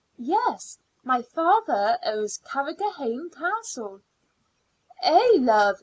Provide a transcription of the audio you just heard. "Yes; my father owns Carrigrohane Castle." "Eh, love!